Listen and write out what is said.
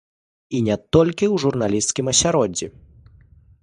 І не толькі ў журналісцкім асяроддзі.